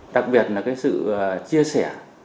đặc biệt là sự chia sẻ